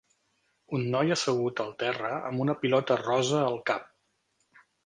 un noi assegut al terra amb una pilota rosa al cap.